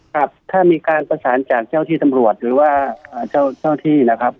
ครับถ้ามีการประสานจากเจ้าที่ตำรวจหรือว่าเจ้าที่นะครับ